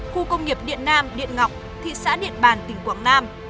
khu công nghiệp điện nam điện ngọc thị xã điện bàn tỉnh quảng nam